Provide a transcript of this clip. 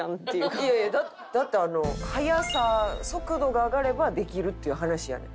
いやいやだって速さ速度が上がればできるっていう話やねん。